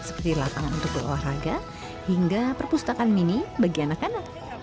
seperti lapangan untuk berolahraga hingga perpustakaan mini bagi anak anak